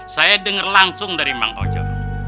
saya dengar langsung dari bang ojo